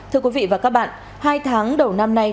thưa quý vị và các bạn hai tháng đầu năm nay